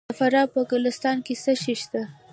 د فراه په ګلستان کې څه شی شته؟